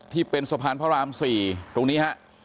ที่เป็นสะพานพระราม๔ตรงนี้ฮะ